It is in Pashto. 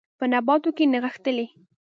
په نباتو کې نغښتلي